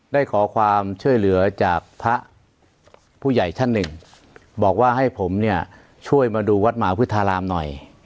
ได้ขอความช่วยเหลือจากพระผู้ใหญ่ท่านหนึ่งบอกว่าให้ผมเนี่ยช่วยมาดูวัดหมาพุทธารามหน่อย